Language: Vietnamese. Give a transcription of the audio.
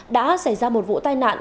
đã xảy ra một vụ tai nạn